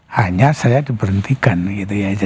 hanya saya diberhentikan gitu ya